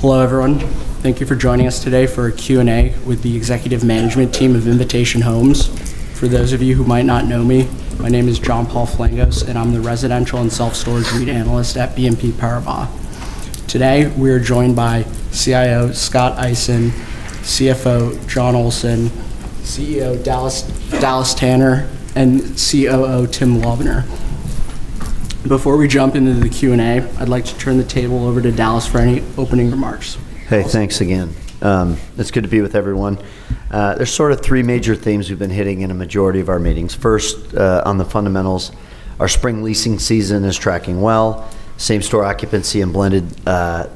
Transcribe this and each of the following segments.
Test. Okay. Hello, everyone. Thank you for joining us today for a Q&A with the executive management team of Invitation Homes. For those of you who might not know me, my name is John Paul Flangos, and I'm the residential and self-storage REIT analyst at BNP Paribas. Today, we are joined by CIO, Scott Eisen, CFO, Jonathan Olsen, CEO, Dallas Tanner, and COO, Tim Lobner. Before we jump into the Q&A, I'd like to turn the table over to Dallas for any opening remarks. Hey. Thanks again. It's good to be with everyone. There's sort of three major themes we've been hitting in a majority of our meetings. First, on the fundamentals, our spring leasing season is tracking well. Same-store occupancy and blended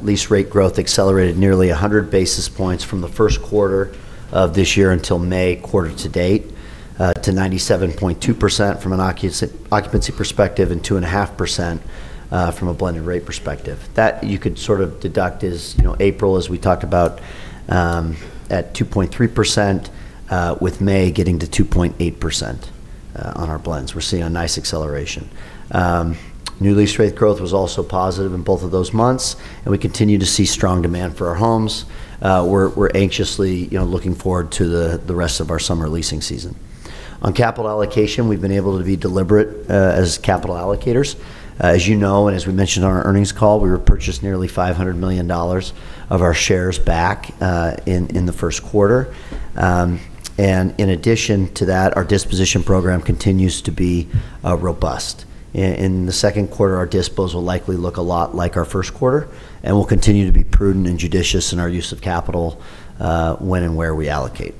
lease rate growth accelerated nearly 100 basis points from the first quarter of this year until May quarter to date, to 97.2% from an occupancy perspective and 2.5% from a blended rate perspective. That you could sort of deduct as April, as we talked about, at 2.3%, with May getting to 2.8% on our blends. We're seeing a nice acceleration. New lease rate growth was also positive in both of those months. We continue to see strong demand for our homes. We're anxiously looking forward to the rest of our summer leasing season. On capital allocation, we've been able to be deliberate as capital allocators. As you know, and as we mentioned on our earnings call, we repurchased nearly $500 million of our shares back in the first quarter. In addition to that, our disposition program continues to be robust. In the second quarter, our dispos will likely look a lot like our first quarter, and we'll continue to be prudent and judicious in our use of capital when and where we allocate.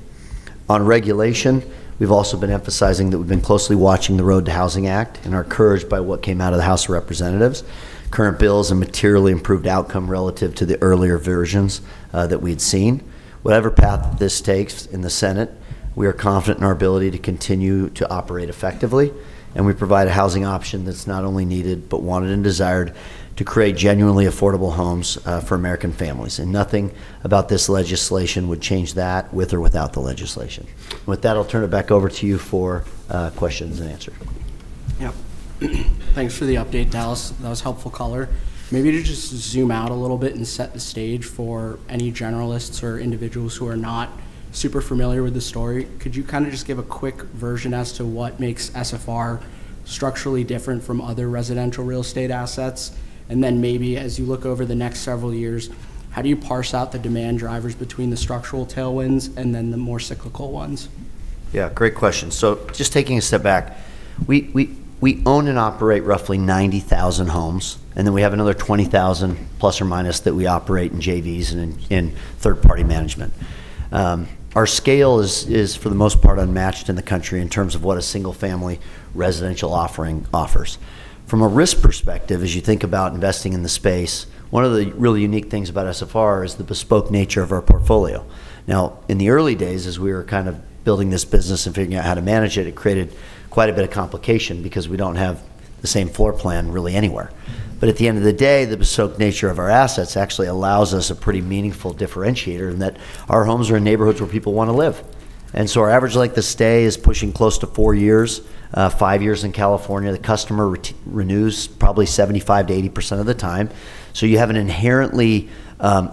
On regulation, we've also been emphasizing that we've been closely watching the ROAD to Housing Act and are encouraged by what came out of the U.S. House of Representatives. Current bills, a materially improved outcome relative to the earlier versions that we'd seen. Whatever path this takes in the Senate, we are confident in our ability to continue to operate effectively, and we provide a housing option that's not only needed, but wanted and desired to create genuinely affordable homes for American families. Nothing about this legislation would change that with or without the legislation. With that, I'll turn it back over to you for questions and answer. Yep. Thanks for the update, Dallas. That was helpful color. Maybe to just zoom out a little bit and set the stage for any generalists or individuals who are not super familiar with the story, could you kind of just give a quick version as to what makes SFR structurally different from other residential real estate assets? Maybe as you look over the next several years, how do you parse out the demand drivers between the structural tailwinds and then the more cyclical ones? Great question. Just taking a step back, we own and operate roughly 90,000 homes, and then we have another 20,000 plus or minus that we operate in JVs and in third-party management. Our scale is, for the most part, unmatched in the country in terms of what a single-family residential offering offers. From a risk perspective, as you think about investing in the space, one of the really unique things about SFR is the bespoke nature of our portfolio. In the early days, as we were kind of building this business and figuring out how to manage it created quite a bit of complication because we don't have the same floor plan really anywhere. At the end of the day, the bespoke nature of our assets actually allows us a pretty meaningful differentiator in that our homes are in neighborhoods where people want to live. Our average length of stay is pushing close to four years, five years in California. The customer renews probably 75%-80% of the time. You have an inherently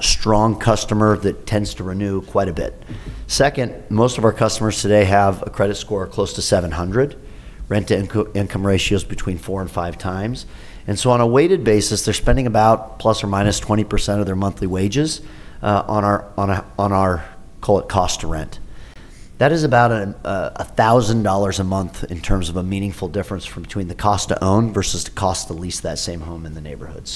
strong customer that tends to renew quite a bit. Second, most of our customers today have a credit score close to 700. Rent-to-income ratio is between four and five times. On a weighted basis, they're spending about ±20% of their monthly wages on our, call it, cost to rent. That is about $1,000 a month in terms of a meaningful difference between the cost to own versus the cost to lease that same home in the neighborhood.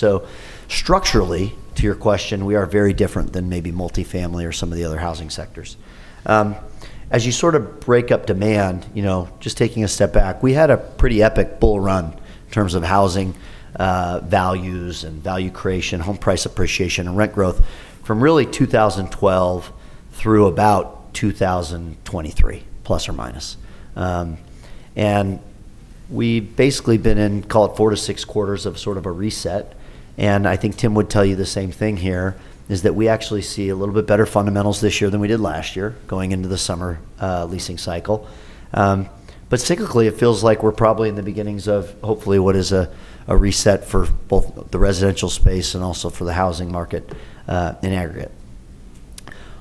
Structurally, to your question, we are very different than maybe multifamily or some of the other housing sectors. As you sort of break up demand, just taking a step back, we had a pretty epic bull run in terms of housing values and value creation, home price appreciation, and rent growth from really 2012 through about 2023, plus or minus. We've basically been in, call it, four to six quarters of sort of a reset, and I think Tim would tell you the same thing here, is that we actually see a little bit better fundamentals this year than we did last year going into the summer leasing cycle. Cyclically, it feels like we're probably in the beginnings of hopefully what is a reset for both the residential space and also for the housing market in aggregate.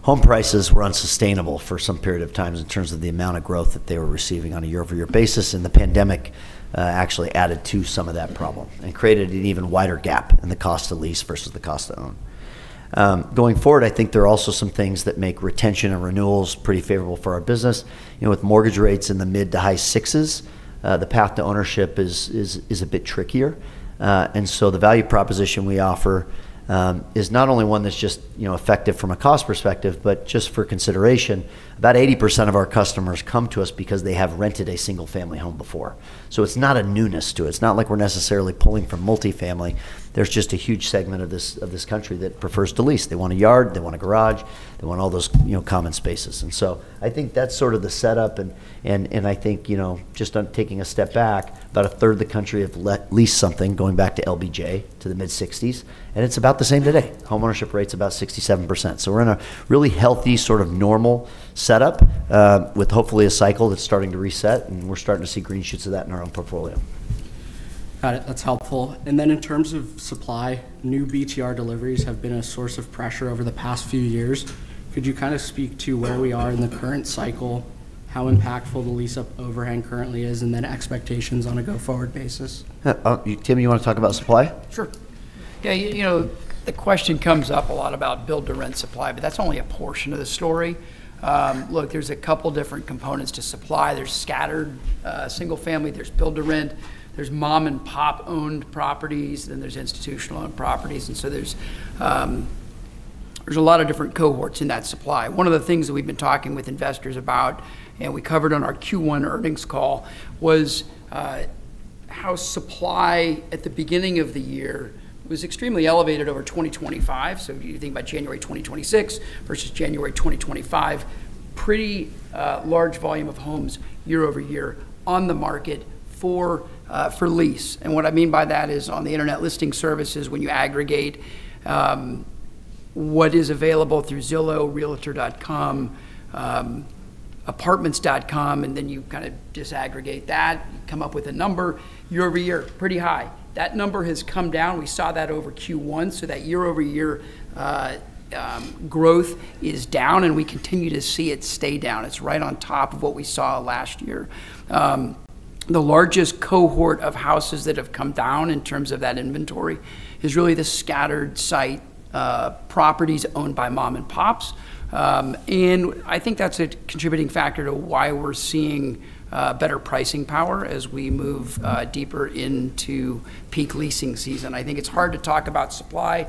Home prices were unsustainable for some period of time in terms of the amount of growth that they were receiving on a year-over-year basis, and the pandemic actually added to some of that problem and created an even wider gap in the cost to lease versus the cost to own. I think there are also some things that make retention and renewals pretty favorable for our business. With mortgage rates in the mid to high sixes, the path to ownership is a bit trickier. The value proposition we offer is not only one that's just effective from a cost perspective, but just for consideration, about 80% of our customers come to us because they have rented a single-family home before. It's not a newness to it. It's not like we're necessarily pulling from multifamily. There's just a huge segment of this country that prefers to lease. They want a yard. They want a garage. They want all those common spaces. I think that's sort of the setup and I think, just on taking a step back, about a third of the country have leased something going back to LBJ, to the mid-60s, and it's about the same today. Home ownership rate's about 67%. We're in a really healthy sort of normal setup, with hopefully a cycle that's starting to reset, and we're starting to see green shoots of that in our own portfolio. That's helpful. In terms of supply, new BTR deliveries have been a source of pressure over the past few years. Could you kind of speak to where we are in the current cycle, how impactful the lease-up overhang currently is, and then expectations on a go-forward basis? Tim, you want to talk about supply? Sure. Yeah, the question comes up a lot about build-to-rent supply, that's only a portion of the story. Look, there's a couple different components to supply. There's scattered single-family, there's build-to-rent, there's mom-and-pop-owned properties, there's institutional-owned properties, there's a lot of different cohorts in that supply. One of the things that we've been talking with investors about, we covered on our Q1 earnings call, was how supply at the beginning of the year was extremely elevated over 2025. If you think about January 2026 versus January 2025, pretty large volume of homes year-over-year on the market for lease. What I mean by that is on the internet listing services, when you aggregate what is available through Zillow, realtor.com, apartments.com, you kind of disaggregate that, you come up with a number year-over-year, pretty high. That number has come down. We saw that over Q1. That year-over-year growth is down, and we continue to see it stay down. It's right on top of what we saw last year. The largest cohort of houses that have come down in terms of that inventory is really the scattered site properties owned by mom and pops. I think that's a contributing factor to why we're seeing better pricing power as we move deeper into peak leasing season. I think it's hard to talk about supply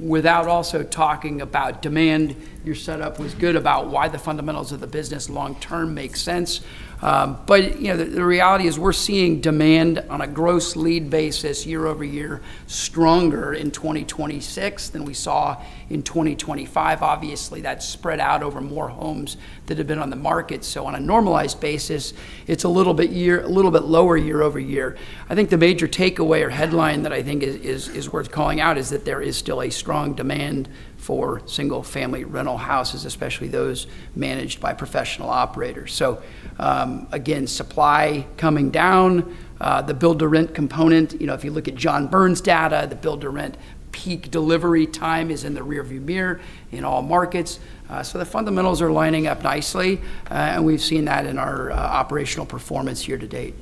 without also talking about demand. Your setup was good about why the fundamentals of the business long term makes sense. The reality is we're seeing demand on a gross lead basis year-over-year stronger in 2026 than we saw in 2025. Obviously, that's spread out over more homes that have been on the market. On a normalized basis, it's a little bit lower year-over-year. I think the major takeaway or headline that I think is worth calling out is that there is still a strong demand for single-family rental houses, especially those managed by professional operators. Again, supply coming down. The build-to-rent component, if you look at John Burns' data, the build-to-rent peak delivery time is in the rear view mirror in all markets. The fundamentals are lining up nicely. We've seen that in our operational performance year-to-date.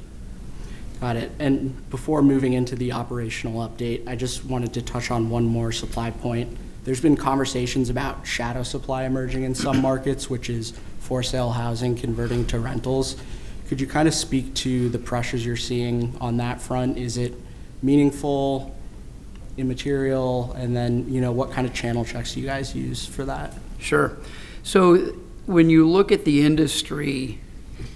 Got it. Before moving into the operational update, I just wanted to touch on one more supply point. There's been conversations about shadow supply emerging in some markets, which is for sale housing converting to rentals. Could you kind of speak to the pressures you're seeing on that front? Is it meaningful, immaterial? What kind of channel checks do you guys use for that? Sure. When you look at the industry,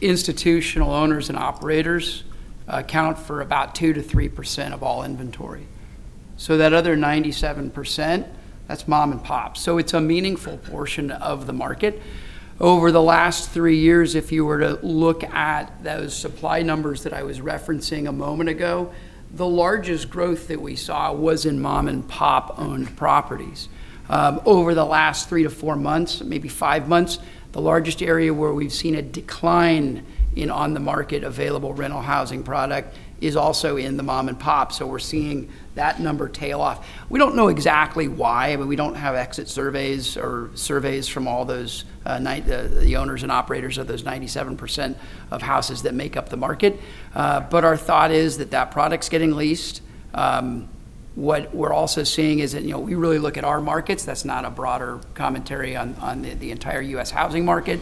institutional owners and operators account for about 2%-3% of all inventory. That other 97%, that's mom and pop. It's a meaningful portion of the market. Over the last three years, if you were to look at those supply numbers that I was referencing a moment ago, the largest growth that we saw was in mom-and-pop-owned properties. Over the last three to four months, maybe five months, the largest area where we've seen a decline in on-the-market available rental housing product is also in the mom and pop. We're seeing that number tail off. We don't know exactly why. I mean, we don't have exit surveys or surveys from all those, the owners and operators of those 97% of houses that make up the market. Our thought is that that product's getting leased. What we're also seeing is that we really look at our markets. That's not a broader commentary on the entire U.S. housing market.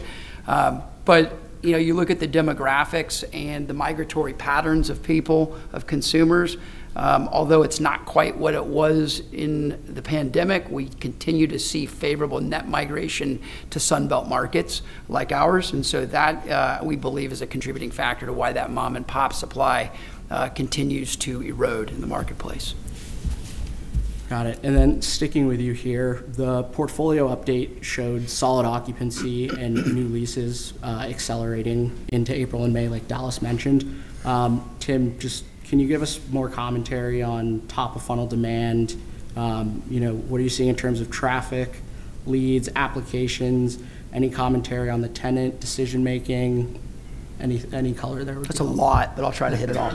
You look at the demographics and the migratory patterns of people, of consumers. Although it's not quite what it was in the pandemic, we continue to see favorable net migration to Sun Belt markets like ours. That, we believe, is a contributing factor to why that mom-and-pop supply continues to erode in the marketplace. Got it. Then sticking with you here, the portfolio update showed solid occupancy and new leases accelerating into April and May, like Dallas mentioned. Tim, just can you give us more commentary on top-of-funnel demand? What are you seeing in terms of traffic, leads, applications? Any commentary on the tenant decision making? Any color there would be helpful. That's a lot. I'll try to hit it all.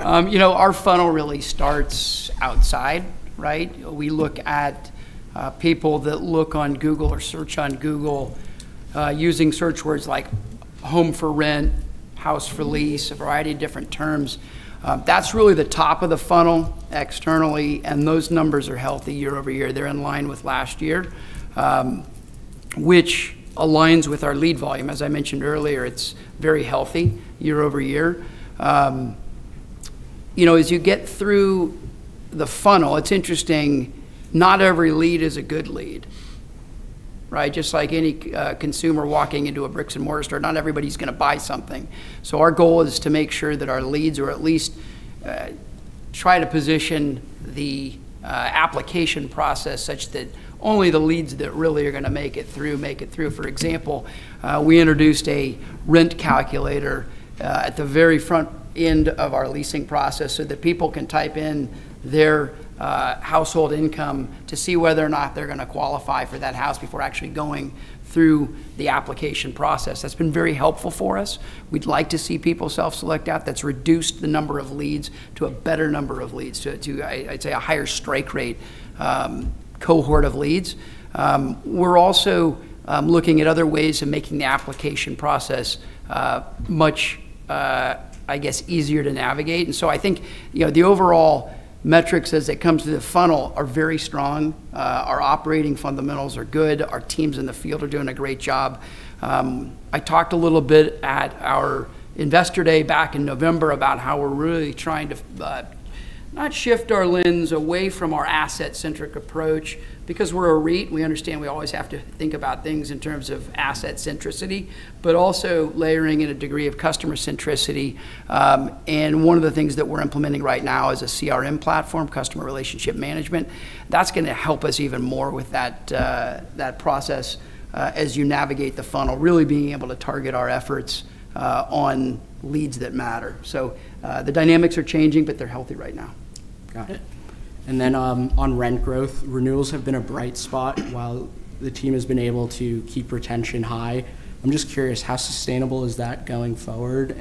Our funnel really starts outside, right? We look at people that look on Google or search on Google using search words like home for rent, house for lease, a variety of different terms. That's really the top of the funnel externally. Those numbers are healthy year-over-year. They're in line with last year, which aligns with our lead volume. As I mentioned earlier, it's very healthy year-over-year. As you get through the funnel, it's interesting. Not every lead is a good lead, right? Just like any consumer walking into a bricks-and-mortar store, not everybody's going to buy something. Our goal is to make sure that our leads are at least try to position the application process such that only the leads that really are going to make it through, make it through. For example, we introduced a rent calculator at the very front end of our leasing process so that people can type in their household income to see whether or not they're going to qualify for that house before actually going through the application process. That's been very helpful for us. We'd like to see people self-select out. That's reduced the number of leads to a better number of leads, to I'd say, a higher strike rate cohort of leads. We're also looking at other ways of making the application process much, I guess, easier to navigate. I think the overall metrics as it comes to the funnel are very strong. Our operating fundamentals are good. Our teams in the field are doing a great job. I talked a little bit at our Investor Day back in November about how we're really trying to not shift our lens away from our asset-centric approach, because we're a REIT, and we understand we always have to think about things in terms of asset centricity, but also layering in a degree of customer centricity. One of the things that we're implementing right now is a CRM platform, customer relationship management. That's going to help us even more with that process as you navigate the funnel, really being able to target our efforts on leads that matter. The dynamics are changing, but they're healthy right now. Got it. Then on rent growth, renewals have been a bright spot while the team has been able to keep retention high. I'm just curious, how sustainable is that going forward?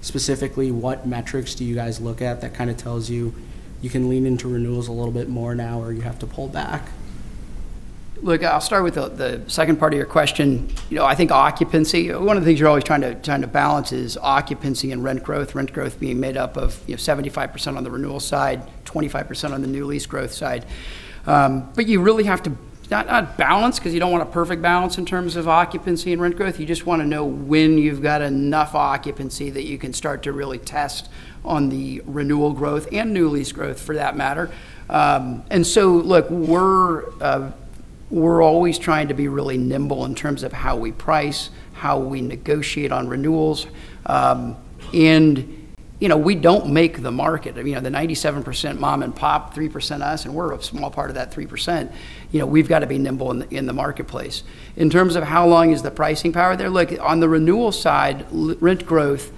Specifically, what metrics do you guys look at that kind of tells you you can lean into renewals a little bit more now, or you have to pull back? Look, I'll start with the second part of your question. I think occupancy, one of the things you're always trying to balance is occupancy and rent growth, rent growth being made up of 75% on the renewal side, 25% on the new lease growth side. You really have to not balance, because you don't want a perfect balance in terms of occupancy and rent growth. You just want to know when you've got enough occupancy that you can start to really test on the renewal growth and new lease growth for that matter. Look, we're always trying to be really nimble in terms of how we price, how we negotiate on renewals. We don't make the market. The 97% mom and pop, 3% us, and we're a small part of that 3%, we've got to be nimble in the marketplace. In terms of how long is the pricing power there, look, on the renewal side, rent growth,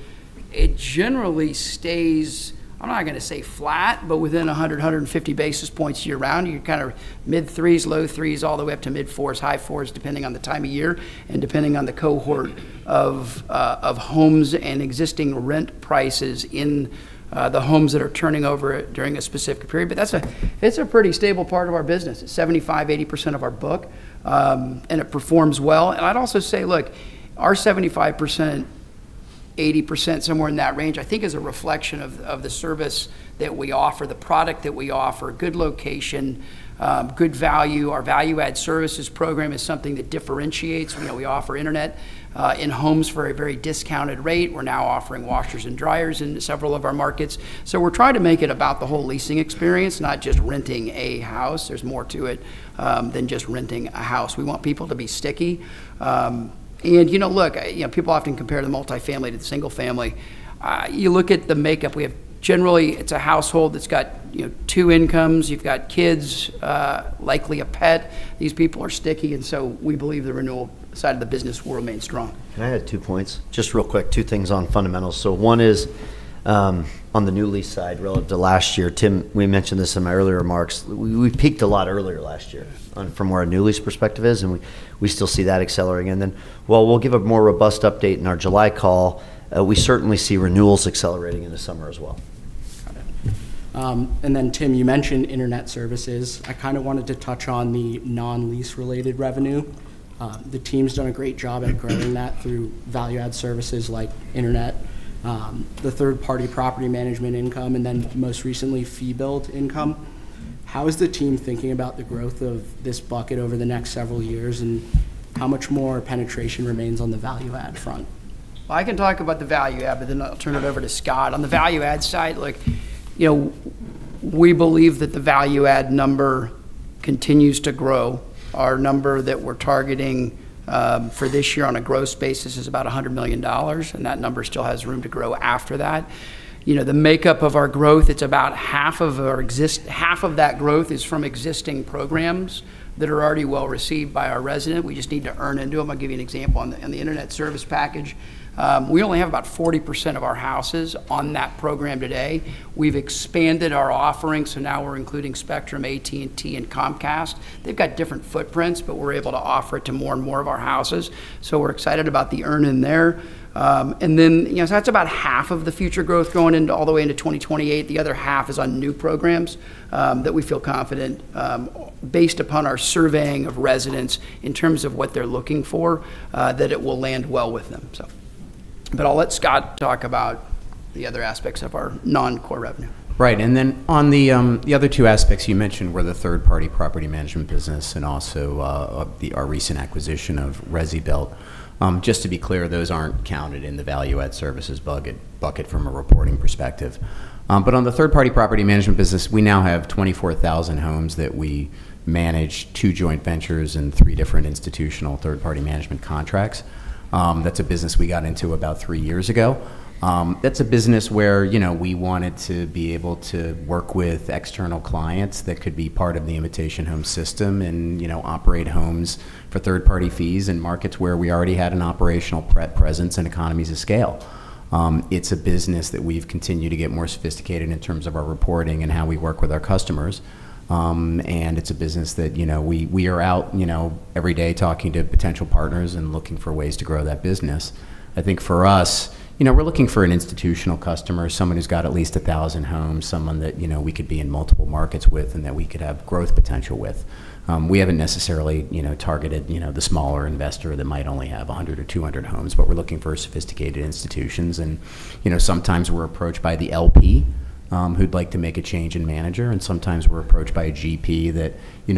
it generally stays, I'm not going to say flat, but within 100, 150 basis points year round. You're kind of mid-3s, low-3s, all the way up to mid-4s, high-4s, depending on the time of year, and depending on the cohort of homes and existing rent prices in the homes that are turning over during a specific period. That's a pretty stable part of our business. 75%, 80% of our book, it performs well. I'd also say, look, our 75%, 80%, somewhere in that range, I think is a reflection of the service that we offer, the product that we offer. Good location, good value. Our value-add services program is something that differentiates. We offer internet in homes for a very discounted rate. We're now offering washers and dryers in several of our markets. We're trying to make it about the whole leasing experience, not just renting a house. There's more to it than just renting a house. We want people to be sticky. Look, people often compare the multifamily to the single family. You look at the makeup. Generally, it's a household that's got two incomes. You've got kids, likely a pet. These people are sticky, we believe the renewal side of the business will remain strong. Can I add two points? Just real quick, two things on fundamentals. One is on the new lease side relative to last year. Tim, we mentioned this in my earlier remarks. We peaked a lot earlier last year from where our new lease perspective is, and we still see that accelerating. While we'll give a more robust update in our July call, we certainly see renewals accelerating in the summer as well. Tim, you mentioned internet services. I kind of wanted to touch on the non-lease related revenue. The team's done a great job at growing that through value-add services like internet, the third-party property management income, and then most recently, fee build income. How is the team thinking about the growth of this bucket over the next several years, and how much more penetration remains on the value-add front? Well, I can talk about the value add, but then I'll turn it over to Scott. On the value add side, look, we believe that the value add number continues to grow. Our number that we're targeting for this year on a growth basis is about $100 million, and that number still has room to grow after that. The makeup of our growth, it's about half of that growth is from existing programs that are already well received by our resident. We just need to earn into them. I'll give you an example. On the internet service package, we only have about 40% of our houses on that program today. We've expanded our offering, so now we're including Spectrum, AT&T, and Comcast. They've got different footprints, but we're able to offer it to more and more of our houses. We're excited about the earn in there. That's about half of the future growth going all the way into 2028. The other half is on new programs that we feel confident, based upon our surveying of residents in terms of what they're looking for, that it will land well with them. I'll let Scott talk about the other aspects of our non-core revenue. Right. On the other two aspects you mentioned were the third-party property management business and also our recent acquisition of ResiBuilt. Just to be clear, those aren't counted in the value-add services bucket from a reporting perspective. On the third-party property management business, we now have 24,000 homes that we manage, two joint ventures, and three different institutional third-party management contracts. That's a business we got into about three years ago. That's a business where we wanted to be able to work with external clients that could be part of the Invitation Homes system and operate homes for third-party fees in markets where we already had an operational presence and economies of scale. It's a business that we've continued to get more sophisticated in terms of our reporting and how we work with our customers. It's a business that we are out every day talking to potential partners and looking for ways to grow that business. I think for us, we're looking for an institutional customer, someone who's got at least 1,000 homes, someone that we could be in multiple markets with and that we could have growth potential with. We haven't necessarily targeted the smaller investor that might only have 100 or 200 homes, but we're looking for sophisticated institutions. Sometimes we're approached by the LP who'd like to make a change in manager, and sometimes we're approached by a GP that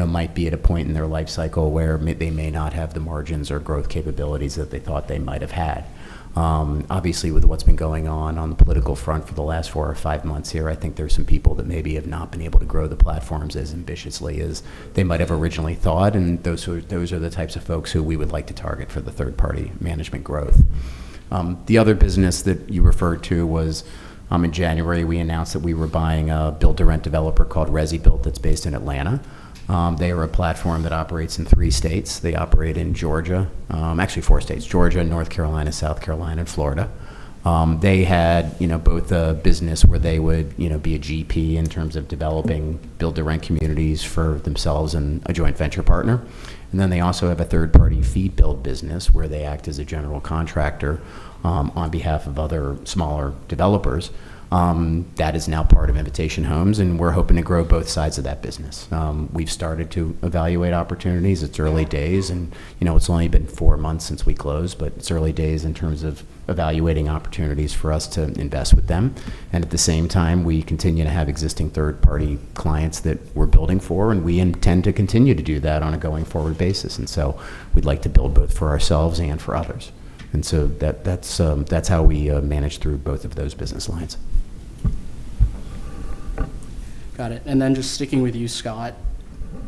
might be at a point in their life cycle where they may not have the margins or growth capabilities that they thought they might have had. Obviously, with what's been going on on the political front for the last four or five months here, I think there's some people that maybe have not been able to grow the platforms as ambitiously as they might have originally thought, and those are the types of folks who we would like to target for the third-party management growth. The other business that you referred to was in January, we announced that we were buying a build-to-rent developer called ResiBuilt that's based in Atlanta. They are a platform that operates in three states. They operate in Georgia, actually four states, Georgia, North Carolina, South Carolina, and Florida. They had both a business where they would be a GP in terms of developing build-to-rent communities for themselves and a joint venture partner. They also have a third-party fee build business where they act as a general contractor on behalf of other smaller developers. That is now part of Invitation Homes, and we're hoping to grow both sides of that business. We've started to evaluate opportunities. It's early days and it's only been 4 months since we closed, but it's early days in terms of evaluating opportunities for us to invest with them. At the same time, we continue to have existing third-party clients that we're building for, and we intend to continue to do that on a going-forward basis. We'd like to build both for ourselves and for others. That's how we manage through both of those business lines. Got it. Just sticking with you, Scott,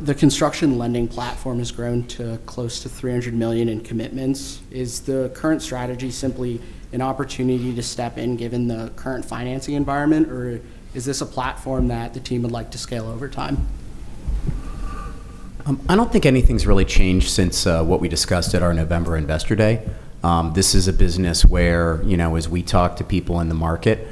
the construction lending platform has grown to close to $300 million in commitments. Is the current strategy simply an opportunity to step in given the current financing environment, or is this a platform that the team would like to scale over time? I don't think anything's really changed since what we discussed at our November Investor Day. This is a business where as we talk to people in the market,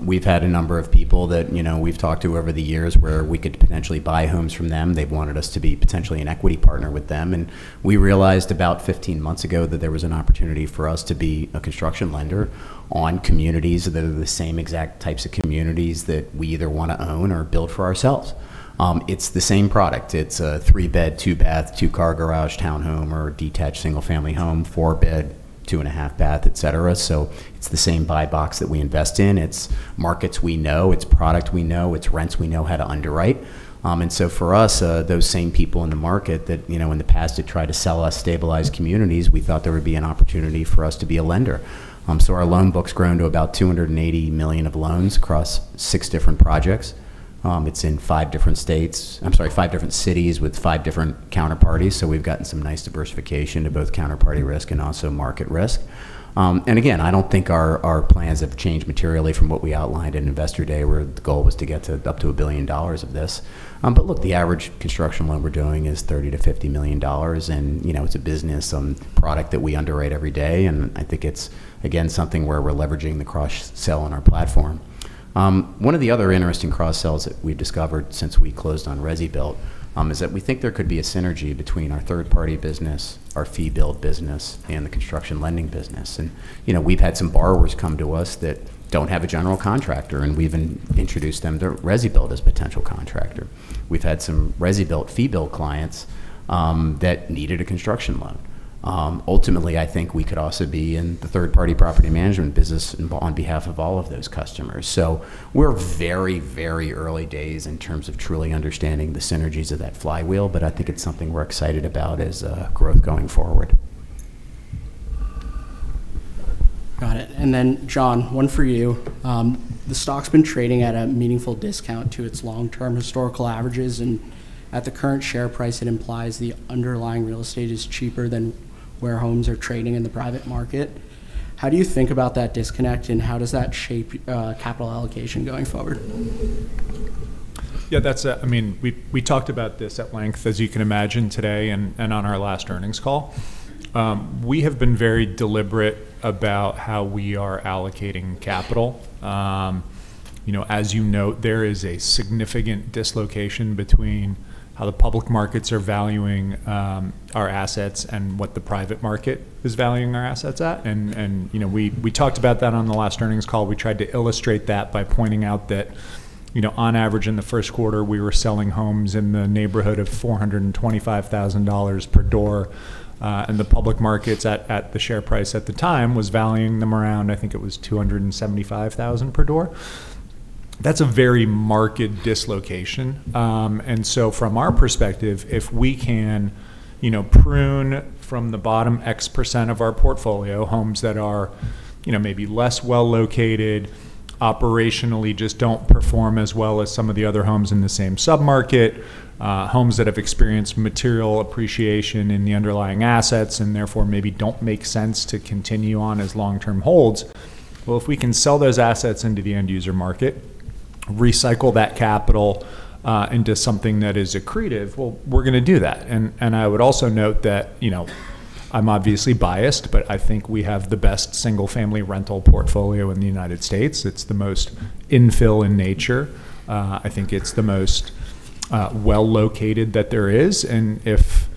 we've had a number of people that we've talked to over the years where we could potentially buy homes from them. They've wanted us to be potentially an equity partner with them. We realized about 15 months ago that there was an opportunity for us to be a construction lender on communities that are the same exact types of communities that we either want to own or build for ourselves. It's the same product. It's a three-bed, two-bath, two-car garage townhome, or detached single-family home, four-bed, two and a half bath, et cetera. It's the same buy box that we invest in. It's markets we know. It's product we know. It's rents we know how to underwrite. For us, those same people in the market that in the past had tried to sell us stabilized communities, we thought there would be an opportunity for us to be a lender. Our loan book's grown to about $280 million of loans across six different projects. It's in five different cities with five different counterparties. We've gotten some nice diversification to both counterparty risk and also market risk. Again, I don't think our plans have changed materially from what we outlined at Investor Day, where the goal was to get to up to $1 billion of this. Look, the average construction loan we're doing is $30 million-$50 million, and it's a business product that we underwrite every day. I think it's, again, something where we're leveraging the cross-sell on our platform. One of the other interesting cross-sells that we've discovered since we closed on ResiBuilt is that we think there could be a synergy between our third-party business, our fee build business, and the construction lending business. We've had some borrowers come to us that don't have a general contractor, and we even introduced them to ResiBuilt as a potential contractor. We've had some ResiBuilt fee build clients that needed a construction loan. Ultimately, I think we could also be in the third-party property management business on behalf of all of those customers. We're very early days in terms of truly understanding the synergies of that flywheel, but I think it's something we're excited about as growth going forward. Got it. John, one for you. The stock's been trading at a meaningful discount to its long-term historical averages, and at the current share price, it implies the underlying real estate is cheaper than where homes are trading in the private market. How do you think about that disconnect, and how does that shape capital allocation going forward? Yeah. We talked about this at length, as you can imagine today and on our last earnings call. We have been very deliberate about how we are allocating capital. As you note, there is a significant dislocation between how the public markets are valuing our assets and what the private market is valuing our assets at. We talked about that on the last earnings call. We tried to illustrate that by pointing out that on average in the first quarter, we were selling homes in the neighborhood of $425,000 per door. The public markets at the share price at the time was valuing them around, I think it was $275,000 per door. That's a very marked dislocation. From our perspective, if we can prune from the bottom X percent of our portfolio homes that are maybe less well located, operationally just don't perform as well as some of the other homes in the same sub-market, homes that have experienced material appreciation in the underlying assets and therefore maybe don't make sense to continue on as long-term holds. Well, if we can sell those assets into the end user market, recycle that capital into something that is accretive, well, we're going to do that. I would also note that I'm obviously biased, but I think we have the best single-family rental portfolio in the United States. It's the most infill in nature. I think it's the most well-located that there is, and if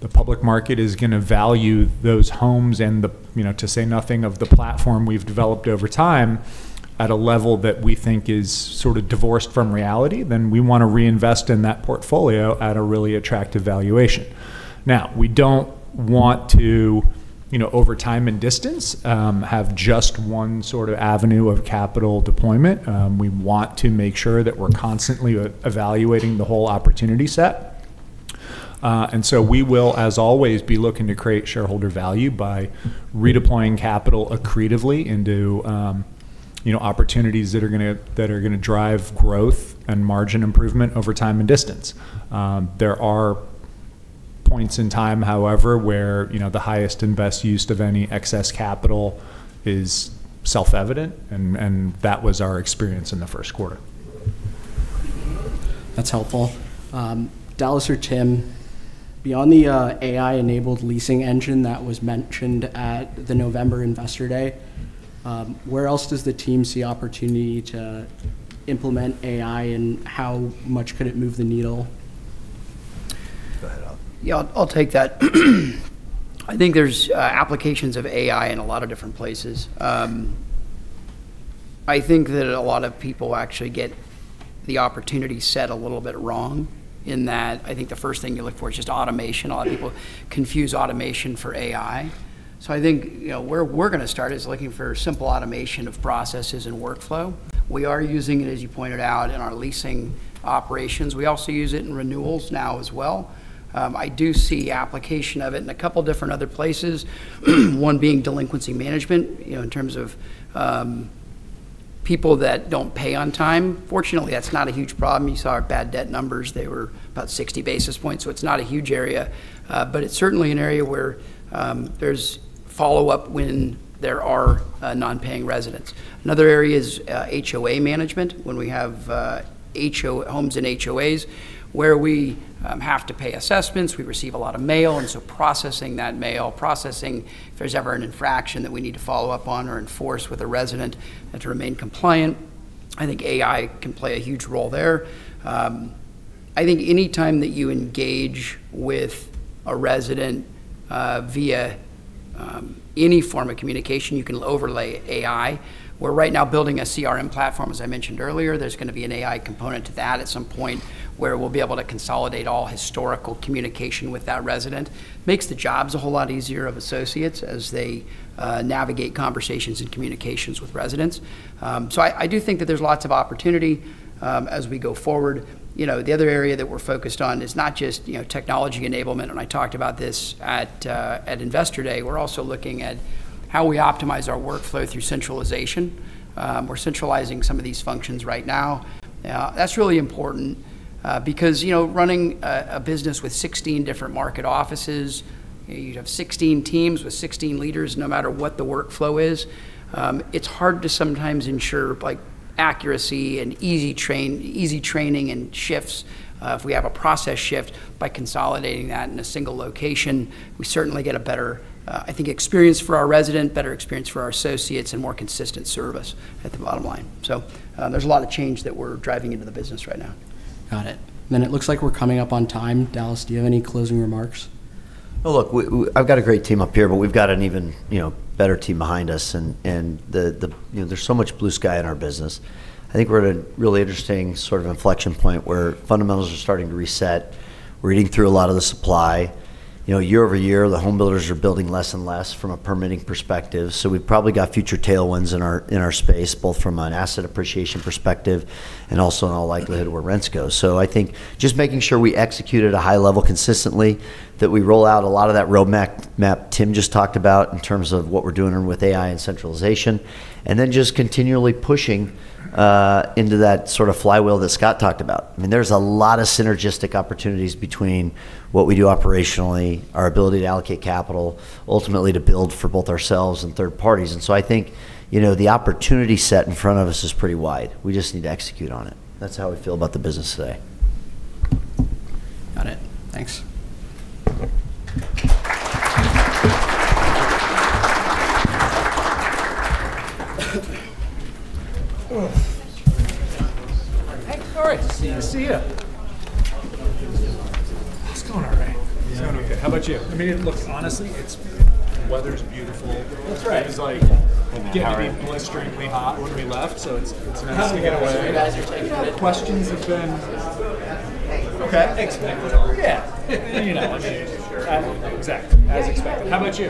the public market is going to value those homes and to say nothing of the platform we've developed over time at a level that we think is sort of divorced from reality, then we want to reinvest in that portfolio at a really attractive valuation. Now, we don't want to, over time and distance, have just one sort of avenue of capital deployment. We want to make sure that we're constantly evaluating the whole opportunity set. We will, as always, be looking to create shareholder value by redeploying capital accretively into opportunities that are going to drive growth and margin improvement over time and distance. There are points in time, however, where the highest and best use of any excess capital is self-evident, and that was our experience in the first quarter. That's helpful. Dallas or Tim, beyond the AI-enabled leasing engine that was mentioned at the November Investor Day, where else does the team see opportunity to implement AI, and how much could it move the needle? Go ahead. I'll take that. I think there's applications of AI in a lot of different places. I think that a lot of people actually get the opportunity set a little bit wrong in that I think the first thing you look for is just automation. A lot of people confuse automation for AI. I think where we're going to start is looking for simple automation of processes and workflow. We are using it, as you pointed out, in our leasing operations. We also use it in renewals now as well. I do see application of it in a couple different other places, one being delinquency management, in terms of people that don't pay on time. Fortunately, that's not a huge problem. You saw our bad debt numbers. They were about 60 basis points, so it's not a huge area. It's certainly an area where there's follow-up when there are non-paying residents. Another area is HOA management. When we have homes in HOAs where we have to pay assessments, we receive a lot of mail, and so processing that mail, processing if there's ever an infraction that we need to follow up on or enforce with a resident to remain compliant, I think AI can play a huge role there. I think any time that you engage with a resident via any form of communication, you can overlay AI. We're right now building a CRM platform, as I mentioned earlier. There's going to be an AI component to that at some point where we'll be able to consolidate all historical communication with that resident. It makes the jobs a whole lot easier of associates as they navigate conversations and communications with residents. I do think that there's lots of opportunity as we go forward. The other area that we're focused on is not just technology enablement, and I talked about this at Investor Day. We're also looking at how we optimize our workflow through centralization. We're centralizing some of these functions right now. That's really important because running a business with 16 different market offices, you'd have 16 teams with 16 leaders, no matter what the workflow is. It's hard to sometimes ensure accuracy and easy training in shifts. If we have a process shift by consolidating that in a single location, we certainly get a better, I think, experience for our resident, better experience for our associates, and more consistent service at the bottom line. There's a lot of change that we're driving into the business right now. Got it. It looks like we're coming up on time. Dallas, do you have any closing remarks? Look, I've got a great team up here, but we've got an even better team behind us, and there's so much blue sky in our business. I think we're at a really interesting sort of inflection point where fundamentals are starting to reset. We're eating through a lot of the supply. Year-over-year, the home builders are building less and less from a permitting perspective. We've probably got future tailwinds in our space, both from an asset appreciation perspective and also in all likelihood where rents go. I think just making sure we execute at a high level consistently, that we roll out a lot of that roadmap Tim just talked about in terms of what we're doing with AI and centralization, and then just continually pushing into that sort of flywheel that Scott talked about. There's a lot of synergistic opportunities between what we do operationally, our ability to allocate capital, ultimately to build for both ourselves and third parties. I think the opportunity set in front of us is pretty wide. We just need to execute on it. That's how we feel about the business today. Got it. Thanks. Hey. All right. Good to see you. It's going all right. It's going okay. How about you? Look, honestly, weather's beautiful. That's right. It was like- A little warm. blisteringly hot when we left, so it's nice to get away. How are you guys are taking it? Questions have been Okay. Expected. Yeah. You know. Exactly. As expected. How about you?